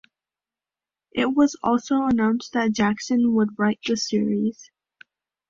It was also announced that Jackson would write the series.